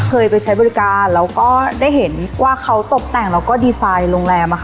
เคยไปใช้บริการแล้วก็ได้เห็นว่าเขาตกแต่งแล้วก็ดีไซน์โรงแรมอะค่ะ